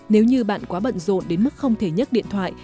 nếu như bạn quá bận rộn đến mức không thể nhấc điện thoại